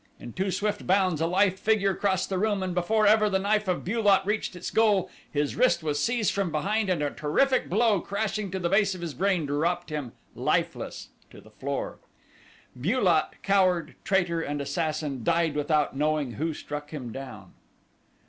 In two swift bounds a lithe figure crossed the room and before ever the knife of Bu lot reached its goal his wrist was seized from behind and a terrific blow crashing to the base of his brain dropped him, lifeless, to the floor. Bu lot, coward, traitor, and assassin, died without knowing who struck him down.